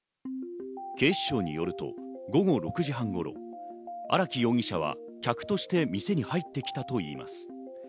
警視庁によると午後６時半頃、荒木容疑者は客として店に入ってきたといいます。